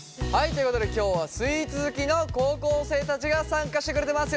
ということで今日はスイーツ好きの高校生たちが参加してくれてます。